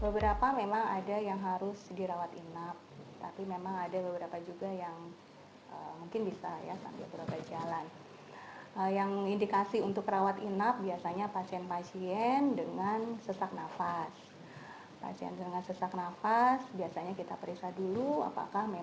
beberapa memang ada yang harus dirawat inap